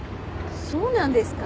そうなんですか？